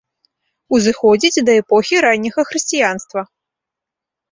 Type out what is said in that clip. Узыходзіць да эпохі ранняга хрысціянства.